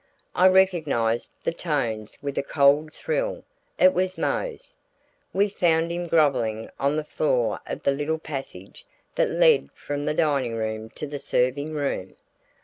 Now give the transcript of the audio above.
I recognized the tones with a cold thrill; it was Mose. We found him groveling on the floor of the little passage that led from the dining room to the serving room.